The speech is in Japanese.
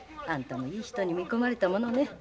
あんたもいい人に見込まれたものね。